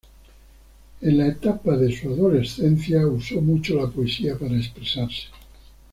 En la etapa de su adolescencia uso mucho la poesía para expresarse.